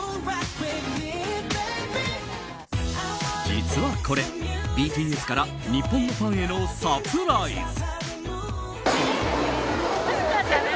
実はこれ、ＢＴＳから日本のファンへのサプライズ。